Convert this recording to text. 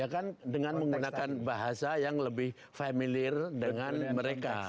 ya kan dengan menggunakan bahasa yang lebih familiar dengan mereka